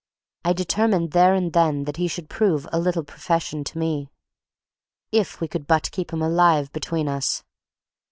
I determined there and then that he should prove a little profession to me, if we could but keep him alive between us.